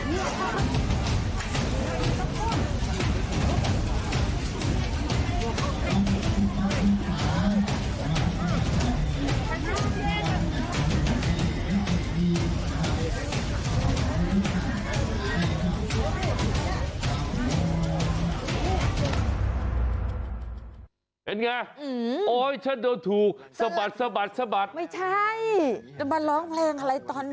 อีกหนึ่งวิธีที่เขาปัดเป่าสิ่งไม่ดีและจะทำวิธีนี้หลังจากสงครานครับ